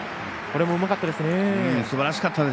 これも、うまかったですね。